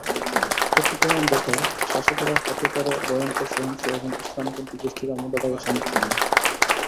তথ্যপ্রমাণ দেখায়, শাসকেরা হতে পারে ভয়ংকর সহিংস এবং ইসলামপন্থী গোষ্ঠীরা মোটা দাগে শান্তিপূর্ণ।